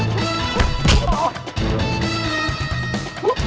duh duh duh duh